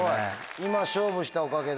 今勝負したおかげで。